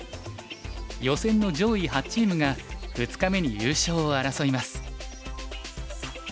予選の上位８チームが２日目に優勝を争います。